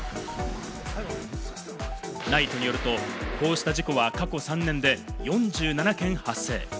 ＮＩＴＥによると、こうした事故は過去３年で４７件発生。